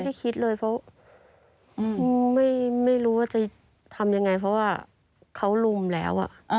คิดเลยเพราะไม่รู้ว่าจะทำยังไงเพราะว่าเขาลุมแล้ว